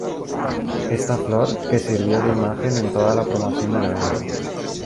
Esta flor que sirvió de imagen en toda la promoción del evento.